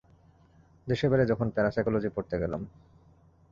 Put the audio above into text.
দেশের বাইরে যখন প্যারাসাইকোলজি পড়তে গেলাম।